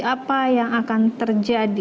apa yang akan terjadi